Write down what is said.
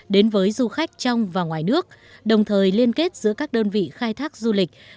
đến với du khách trong và ngoài nước đồng thời liên kết giữa các đơn vị khai thác du lịch